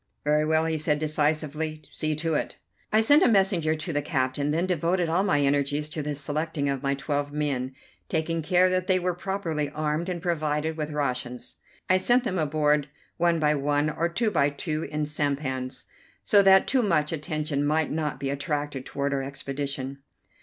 "Very well," he said, decisively, "see to it." I sent a messenger to the captain, then devoted all my energies to the selecting of my twelve men, taking care that they were properly armed and provided with rations. I sent them aboard one by one or two by two in sampans, so that too much attention might not be attracted toward our expedition.